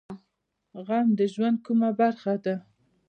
غم د ژوند کومه برخه ده؟